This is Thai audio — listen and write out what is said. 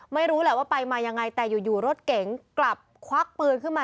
ไม่รู้แหละว่าไปมายังไงแต่อยู่รถเก๋งกลับควักปืนขึ้นมา